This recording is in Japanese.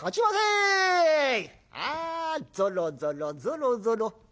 ああぞろぞろぞろぞろ。